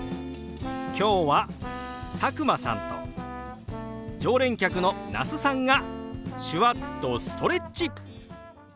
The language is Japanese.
今日は佐久間さんと常連客の那須さんが手話っとストレッチ！